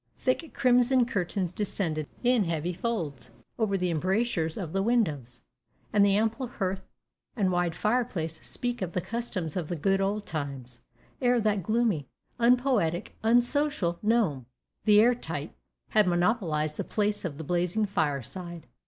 Thick crimson curtains descend in heavy folds over the embrasures of the windows, and the ample hearth and wide fireplace speak of the customs of the good old times, ere that gloomy, unpoetic, unsocial gnome the air tight had monopolized the place of the blazing fireside.